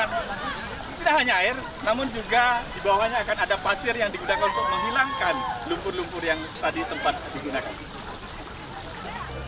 dengan menggunakan tidak hanya air namun juga dibawahnya akan ada pasir yang digudangkan untuk menghilangkan lumpur lumpur yang tadi sempat digunakan